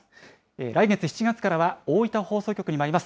来月・７月からは大分放送局に参ります。